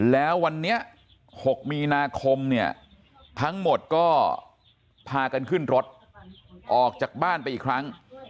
แล้ววันนี้๖มีนาคมเนี่ยทั้งหมดก็พากันขึ้นรถออกจากบ้านไปอีกครั้ง